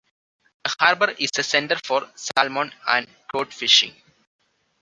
The harbor is a center for salmon and trout fishing.